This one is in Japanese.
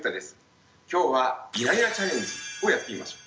今日はイライラチャレンジをやってみましょう。